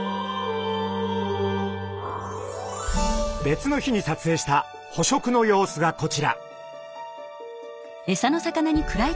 別の日に撮影した捕食の様子がこちら。